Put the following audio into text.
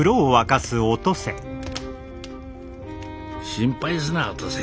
心配すなお登勢。